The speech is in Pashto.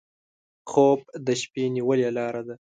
خوب د شپه نیولې لاره ده